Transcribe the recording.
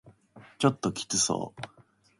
ちょっときつそう